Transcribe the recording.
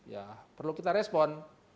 ya perlu kita respon